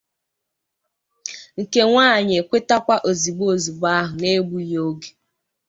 nke nwaanyị ekwetekwa zigbo ozịgbo ahụ na-egbughị oge